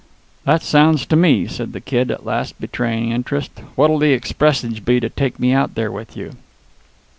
"That sounds to me!" said the Kid, at last betraying interest. "What'll the expressage be to take me out there with you?"